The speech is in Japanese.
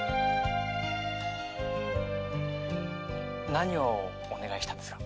何をお願いしたんですか？